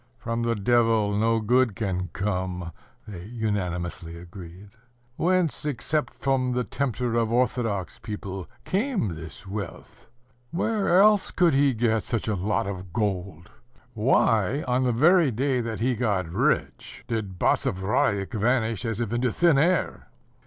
"From the Devil no good can come," they unanimously agreed. "Whence, except from the tempter of orthodox people, came this wealth? Where else could he get such a lot of gold? Why, on the very day that he got rich, did Basavriuk vanish as if into thin air?"